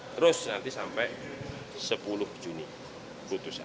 terus nanti sampai sepuluh juni putusan